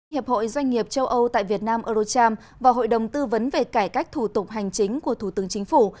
hiệp hội doanh nghiệp châu âu tại việt nam eurocharm và hội đồng tư vấn về cải cách thủ tục hành chính của thủ tướng chính phủ